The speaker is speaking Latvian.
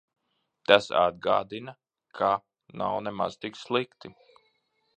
Tas atgādina, ka nav nemaz tik slikti.